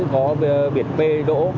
có biển bê đỗ